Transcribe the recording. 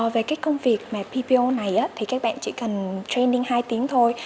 về cái công việc mà ppo này thì các bạn chỉ cần training hai tiếng thôi